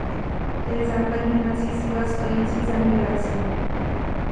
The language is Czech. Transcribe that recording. To je základní hnací síla stojící za migrací.